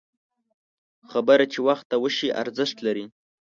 خبره چې وخته وشي، ارزښت لري